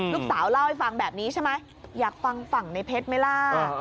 ลูกสาวเล่าให้ฟังแบบนี้ใช่ไหมอยากฟังฝั่งในเพชรไหมล่ะ